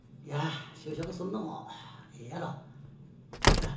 いや就職すんのもええやろ。